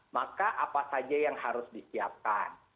maka apa saja yang harus disiapkan